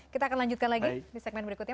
kita akan lanjutkan lagi di segmen berikutnya